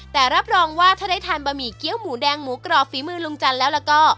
แต่รับรองว่าถ้าได้ทานบะหมี่เกี้ยวหมูแดงหมูกรอบฝีมือลุงจันทร์แล้วแล้วก็